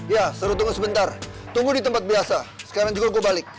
ya suruh tunggu sebentar tunggu di tempat biasa sekarang juga gue balik